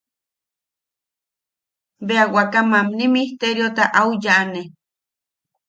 Bea waka mamni misteriota au yaʼane.